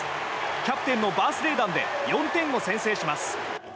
キャプテンのバースデー弾で４点を先制します。